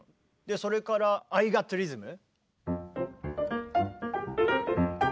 それから「アイ・ガット・リズム」。